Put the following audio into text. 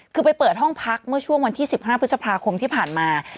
คือไปเปิดห้องพักเมื่อช่วงวันที่๑๕พฤษภาคมที่ผ่านมา